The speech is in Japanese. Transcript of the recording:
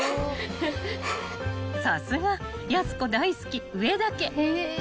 ［さすがやす子大好き上田家］